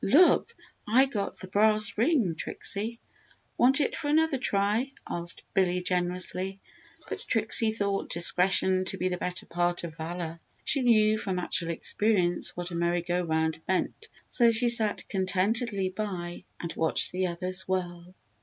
Look, I got the brass ring Trixie! Want it for another try?" asked Billy, generously. But Trixie thought "discretion to be the better part of valor." She knew from actual experience what a merry go round meant so she sat contentedly by and watched the others whirl.